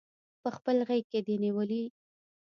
پخپل غیږ کې دی نیولي